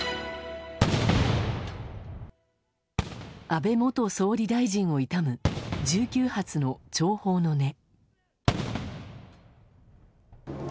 安倍元総理大臣を悼む１９発の弔砲の音。